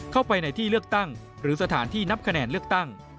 เข้าไปในที่เลือกตั้งหรือสถานที่นับคะแนนเลือกตั้ง